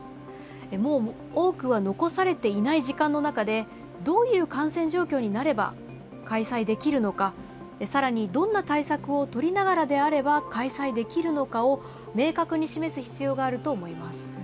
もう多くは残されていない時間の中でどういう感染状況になれば開催できるのか、さらにどんな対策をとりながらであれば開催できるのかを明確に示す必要があると思います。